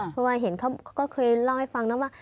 เพราะว่าเขาเคยเล่าให้ฟังว่า